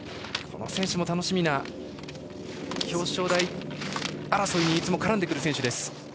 この選手も楽しみな表彰台争いにいつも絡んでくる選手。